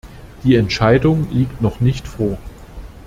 Die Entscheidung liegt noch nicht vor.